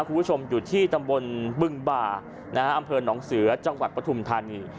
คุณผู้ชมอยู่ที่ตำบลบึงบ่าอำเภอหนองเสือจังหวัดปฐุมธานี